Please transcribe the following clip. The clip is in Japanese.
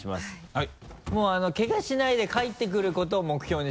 はい。